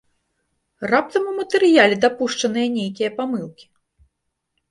Раптам у матэрыяле дапушчаныя нейкія памылкі!